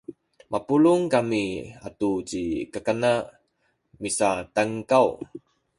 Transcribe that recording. mapulung kami atu ci kakana misatankaw